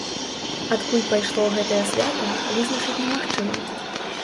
Адкуль пайшло гэтае свята, вызначыць немагчыма.